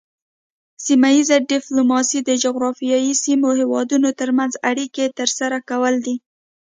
سیمه ایز ډیپلوماسي د جغرافیایي سیمې هیوادونو ترمنځ اړیکې ترسره کول دي